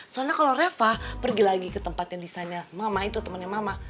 soalnya kalo reva pergi lagi ke tempat yang disanya mama itu temennya mama